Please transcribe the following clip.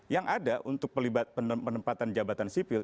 yang ada untuk penempatan jabatan sipil